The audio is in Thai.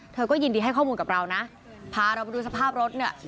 เธอก็ยินดีให้ข้อมูลกับเรานะพาเราไปดูสภาพรถเนี่ย